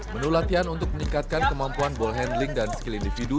menu latihan untuk meningkatkan kemampuan ball handling dan skill individu